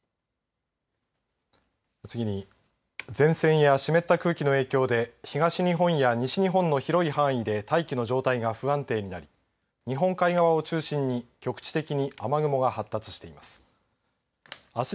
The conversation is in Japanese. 次に、前線や湿った空気の影響で東日本や西日本の広い範囲で大気の状態が不安定になり日本海側を中心に局地的に雨雲が発達しています。